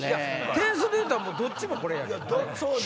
点数でいったらどっちもこれや。